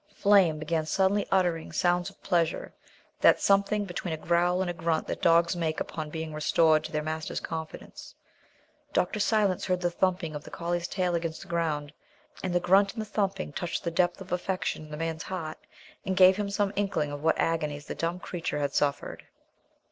Flame began suddenly uttering sounds of pleasure, that "something" between a growl and a grunt that dogs make upon being restored to their master's confidence. Dr. Silence heard the thumping of the collie's tail against the ground. And the grunt and the thumping touched the depth of affection in the man's heart, and gave him some inkling of what agonies the dumb creature had suffered.